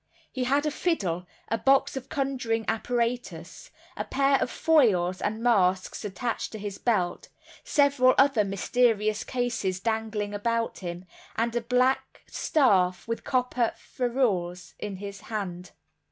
He had a fiddle, a box of conjuring apparatus, a pair of foils and masks attached to his belt, several other mysterious cases dangling about him, and a black staff with copper ferrules in his hand.